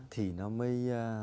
thì nó mới